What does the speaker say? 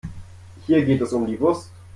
Hier geht es um die Wurst.